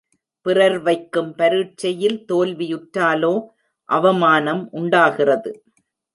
பிறர் வைக்கும் பரீட்சையில் தோல்வியுற்றாலோ அவமானம் உண்டாகிறது.